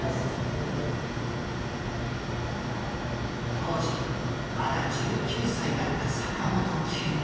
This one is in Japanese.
当時まだ１９歳だった坂本九。